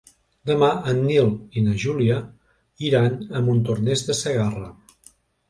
Demà en Nil i na Júlia iran a Montornès de Segarra.